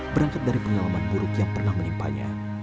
berangkat dari pengalaman buruk yang pernah menimpanya